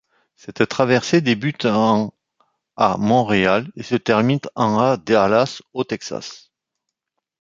Cette traversée débute en à Montréal et se termine en à Dallas, au Texas.